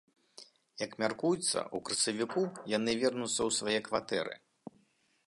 Як мяркуецца, у красавіку яны вернуцца ў свае кватэры.